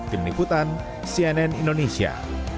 tim liputan cnn indonesia